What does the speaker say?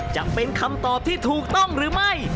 จะเป็นคำตอบที่ถูกต้องหรือไม่